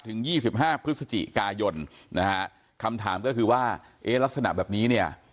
ยี่สิบห้าพฤศจิกายนนะฮะคำถามก็คือว่าเอ๊ะลักษณะแบบนี้เนี่ย